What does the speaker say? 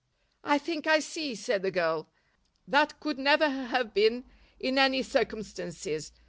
"I think I see," said the girl. "That could never have been in any circumstances.